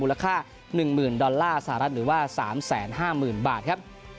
ค่า๑๐๐๐ดอลลาร์สหรัฐหรือว่า๓๕๐๐๐บาทครับ